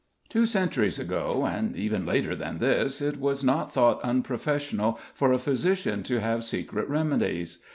Two centuries ago, and even later than this, it was not thought unprofessional for a physician to have secret remedies.